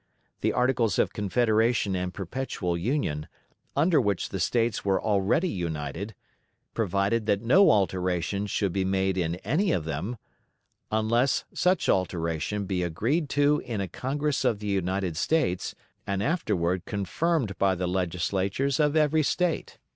The "Articles of Confederation and Perpetual Union," under which the States were already united, provided that no alteration should be made in any of them, "unless such alteration be agreed to in a Congress of the United States, and afterward confirmed by the Legislatures of every State."